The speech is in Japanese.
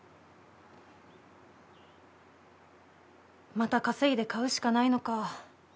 また稼いで買うしかないのか。